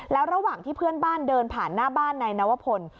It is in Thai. แล้วระหว่างที่เพื่อนบ้านเดินผ่านหน้าบ้านนายนวพล